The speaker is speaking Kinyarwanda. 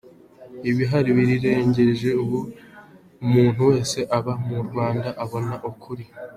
Ibihari birirengeje ububi. Umuntu wese uba mu Rwanda abona ukuri.